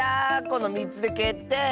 この３つでけってい！